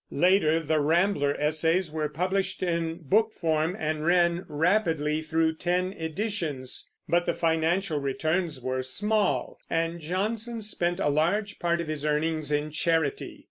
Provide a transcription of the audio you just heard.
Later the Rambler essays were published in book form and ran rapidly through ten editions; but the financial returns were small, and Johnson spent a large part of his earnings in charity.